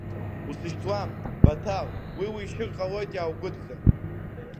Усышьҭуам, Баҭал, уи уишьыр ҟалоит иааугәыдҵан.